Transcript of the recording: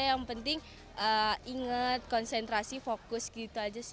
yang penting ingat konsentrasi fokus gitu aja sih